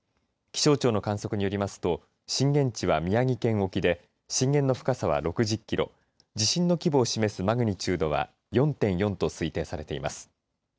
気象庁の観測によりますと震源地は宮城県沖で震源の深さは６０キロ地震の規模を示すマグニチュードは４．４と推定されています。